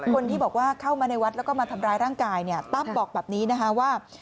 คนที่บอกว่าเข้ามาในวัดแล้วก็มาทำร้ายร่างกายเนี่ยตั้มบอกแบบนี้นะคะว่า